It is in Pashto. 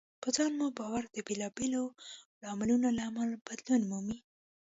په ځان مو باور د بېلابېلو لاملونو له امله بدلون مومي.